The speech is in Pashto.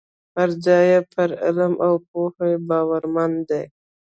پر ځای یې پر علم او پوه باورمن دي.